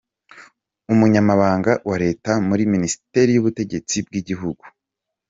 Umunyamabanga wa Leta muri Minisiteri y’ubutegetsi bw’igihugu,